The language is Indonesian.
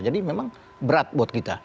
jadi memang berat buat kita